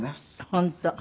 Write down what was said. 本当。